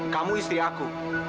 kamu istri aku